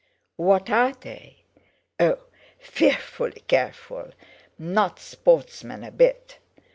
"What are they?" "Oh! fearfully careful; not sportsmen a bit.